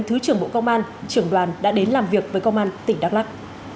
thứ trưởng bộ công an trưởng đoàn đã đến làm việc với công an tỉnh đắk lắc